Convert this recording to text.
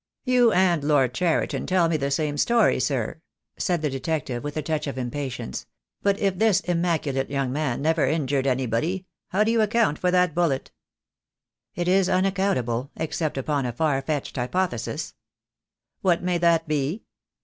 "You and Lord Cheriton tell me the same story, sir," said the detective, with a touch of impatience; "but if this immaculate young man never injured anybody, how do you account for that bullet?" "It is unaccountable, except upon a far fetched hypothesis." "What may that be?"